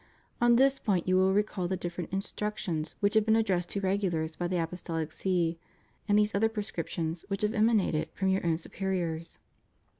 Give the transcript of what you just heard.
On this point you will recall the different instructions which have been addressed to Regulars by the Apostolic See, and these other prescriptions which have emanated from your own superiors.